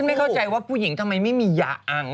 ไม่เข้าใจว่าผู้หญิงทำไมไม่มียาอัง